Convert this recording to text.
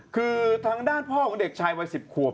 คือทางด้านพ่อของเด็กชายวัย๑๐ขวบ